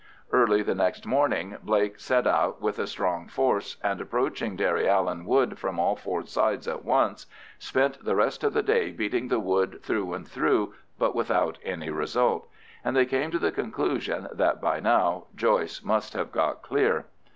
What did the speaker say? Early the next morning Blake set out with a strong force, and approaching Derryallen Wood from all four sides at once, spent the rest of the day beating the wood through and through, but without any result, and they came to the conclusion that by now Joyce must have got clear.